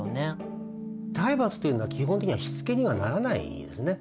体罰というのは基本的にはしつけにはならないですね。